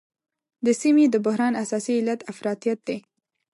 د سیمې د بحران اساسي علت افراطیت دی.